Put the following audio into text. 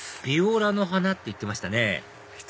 ビオラの花って言ってましたね